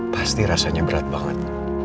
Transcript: pasti rasanya berat banget